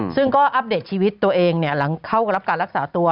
ซึ่งก็อัปเดตชีวิตตัวเองหลังเข้ารับการรักษาตัว